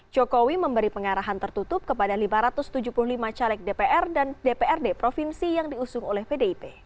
jokowi memberi pengarahan tertutup kepada lima ratus tujuh puluh lima caleg dpr dan dprd provinsi yang diusung oleh pdip